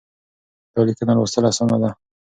دا ليکنه لوستل اسانه ده.